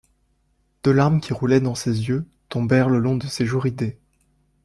Deux larmes qui roulaient dans ses yeux tombèrent le long de ses joues ridées.